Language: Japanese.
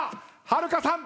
はるかさん。